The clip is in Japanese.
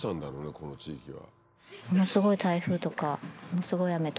この地域は。